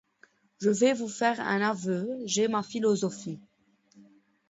Je vais vous faire un aveu : j’ai ma philosophie.